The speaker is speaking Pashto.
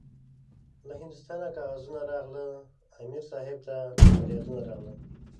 له هندوستانه کاغذونه راغله- امیر صاحب ته پریادونه راغله